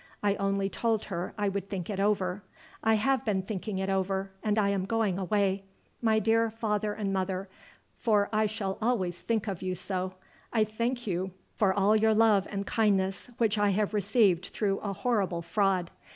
I only told her I would think it over. I have been thinking it over, and I am going away. My dear father and mother, for I shall always think of you so, I thank you for all your love and kindness, which I have received through a horrible fraud.